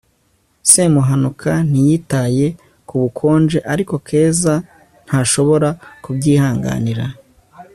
semuhanuka ntiyitaye ku bukonje, ariko keza ntashobora kubyihanganira